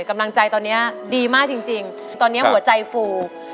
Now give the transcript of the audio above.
กำลังใจตอนนี้ดีมากจริงตอนนี้หัวใจฟู